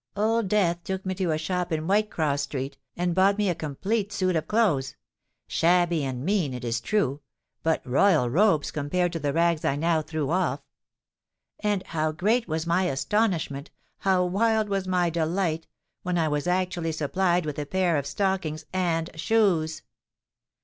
"Old Death took me to a shop in Whitecross Street, and bought me a complete suit of clothes—shabby and mean, it is true; but royal robes compared to the rags I now threw off. And how great was my astonishment—how wild was my delight, when I was actually supplied with a pair of stockings and shoes!